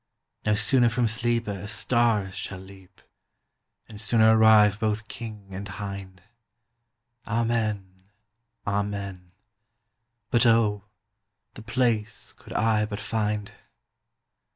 Now soone from Sleepe A Starre shall leap, And soone arrive both King and Hinde; Amen, Amen: But O, the place co'd I but finde!